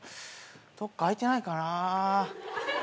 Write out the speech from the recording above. どっかあいてないかな？